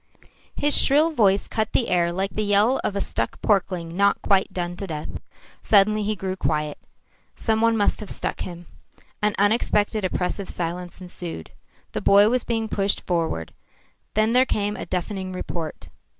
His shrill voice cut the air like the yell of a stuck porkling not quite done to death. Suddenly he grew quiet. Some one must have struck him. An unexpected, oppressive silence ensued. The boy was being pushed forward. Then there came a deafening report.